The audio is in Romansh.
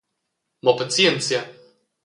Mo pazienzia!